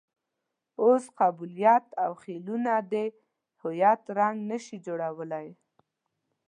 اوس قبیلویت او خېلونه د هویت رنګ نه شي جوړولای.